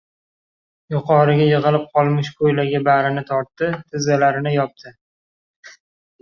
Yuqoriga yig‘ilib qolmish ko‘ylagi barini tortdi, tizzalarini yopdi.